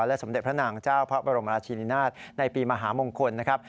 และสมเด็จพระนางเจ้าพระบรมราชินินาศในปีมหามงคลนะครับ